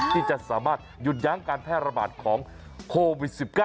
ที่จะสามารถหยุดยั้งการแพร่ระบาดของโควิด๑๙